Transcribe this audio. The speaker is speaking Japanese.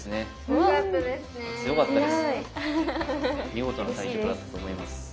見事な対局だったと思います。